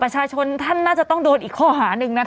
จะกลายเป็นศูนย์กลาง